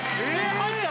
入った？